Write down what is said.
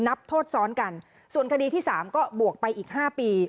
นับโทษซ้อนกันส่วนคดีที่สามก็บวกไปอีก๕ปี